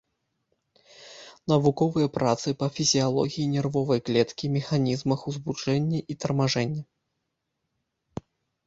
Навуковыя працы па фізіялогіі нервовай клеткі, механізмах узбуджэння і тармажэння.